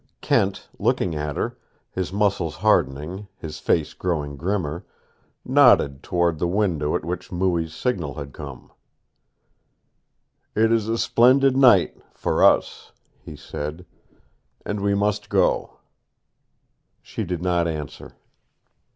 Kent, looking at her, his muscles hardening, his face growing grimmer, nodded toward the window at which Mooie's signal had come. "It is a splendid night for us," he said. "And we must go." She did not answer.